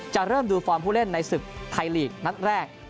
จะเริ่มดูฟอร์มผู้เล่นในศึกไทยลีกนัดแรก